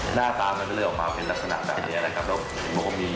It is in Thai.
หน้าตามันได้เลยออกมาเห็นลักษณะต่างแล้วกับโรคมี